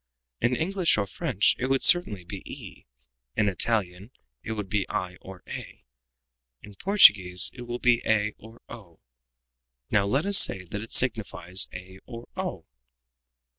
In English or French it would certainly be e, in Italian it would be i or a, in Portuguese it will be a or o. Now let us say that it signifies a or _o."